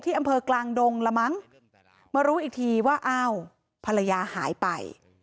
อำเภอกลางดงละมั้งมารู้อีกทีว่าอ้าวภรรยาหายไป